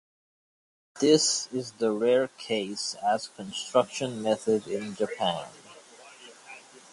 This is the rare case as construction method in Japan.